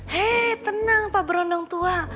hei tenang pak berondong tua